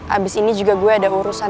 abis ini juga gue ada urusan